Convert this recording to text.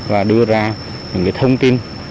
và đưa ra những thông tin